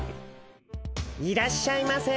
いらっしゃいませ。